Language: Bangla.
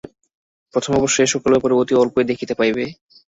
প্রথমে অবশ্য এ-সকল ব্যাপার অতি অল্পই দেখিতে পাইবে।